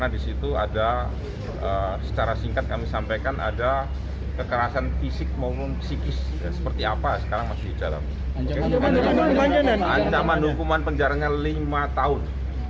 bisa ditahan berarti nen